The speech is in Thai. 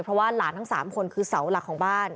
เพราะว่าหลานทั้ง๓คนคือเสาหลักของบ้าน